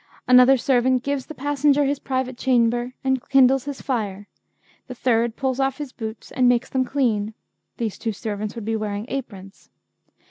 Another servant gives the passenger his private chamber, and kindles his fire, the third pulls off his boots and makes them clean' (these two servants would be wearing aprons).